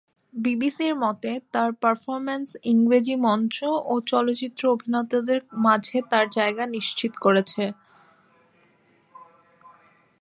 বিবিসির মতে তার "পারফরমেন্স ইংরেজি মঞ্চ ও চলচ্চিত্র অভিনেতাদের মাঝে তাঁর জায়গা নিশ্চিত করেছে"।